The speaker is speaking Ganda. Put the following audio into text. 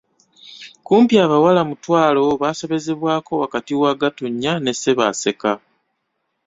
Kumpi abawala mutwalo baasobozebwako wakati wa Gatonnya ne Ssebaaseka.